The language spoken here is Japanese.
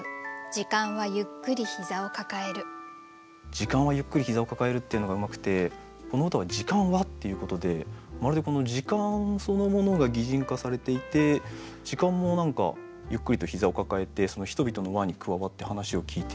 「時間はゆっくりひざをかかえる」っていうのがうまくてこの歌は「時間は」って言うことでまるでこの時間そのものが擬人化されていて時間も何かゆっくりとひざをかかえて人々の輪に加わって話を聞いている。